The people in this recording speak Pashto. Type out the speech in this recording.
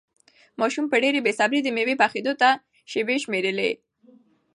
ماشوم په ډېرې بې صبري د مېوې پخېدو ته شېبې شمېرلې.